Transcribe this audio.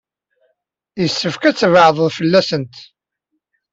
Yessefk ad tbeɛɛdeḍ fell-asent.